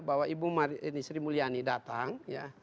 bahwa ibu sri mulyani datang ya